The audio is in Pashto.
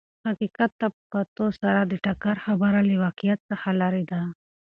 حقیقت ته په کتو سره د ټکر خبره له واقعیت څخه لرې ده.